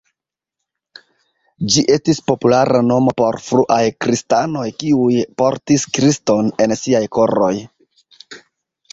Ĝi estis populara nomo por fruaj kristanoj kiuj "portis Kriston en siaj koroj.